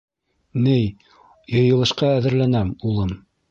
Ней, йыйылышҡа әҙерләнәм, улым.